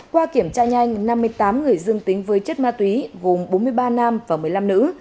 qua kiểm tra nhanh năm mươi tám người dương tính với chất ma túy gồm bốn mươi ba nam và một mươi năm nữ